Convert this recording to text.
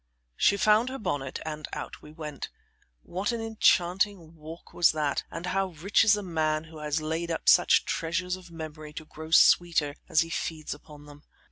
She found her bonnet, and out we went. What an enchanting walk was that, and how rich is a man who has laid up such treasures of memory to grow the sweeter as he feeds upon them.